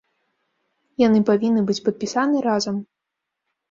Яны павінны быць падпісаны разам.